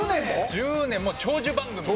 １０年もう長寿番組で。